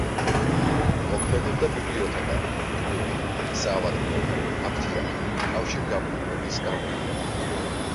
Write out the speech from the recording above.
მოქმედებდა ბიბლიოთეკა, კლუბი, საავადმყოფო, აფთიაქი, კავშირგაბმულობის განყოფილება.